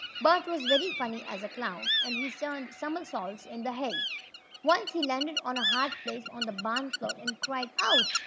Bert was very funny as a clown, and he turned somersaults in the hay. Once he landed on a hard place on the barn floor, and cried: "Ouch!"